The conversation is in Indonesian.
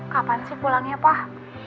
kapan sih pulangnya pak